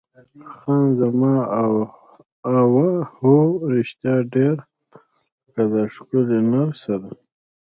خان زمان: اوه هو، رښتیا ډېره با اخلاقه ده، ښکلې نرسه ده.